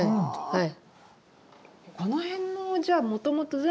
はい。